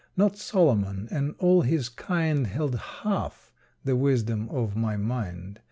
Not Solomon and all his kind Held half the wisdom of my mind.